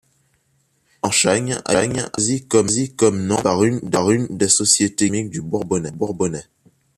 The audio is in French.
Piquenchâgne a été choisi comme nom par une des sociétés gastronomiques du Bourbonnais.